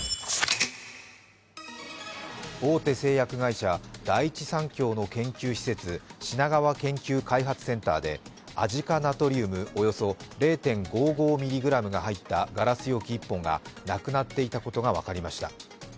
大手製薬会社・第一三共の研究施設、品川研究開発センターでアジ化ナトリウムおよそ０．５ｍｇが入ったガラス容器１本がなくなっていたことが分かりました。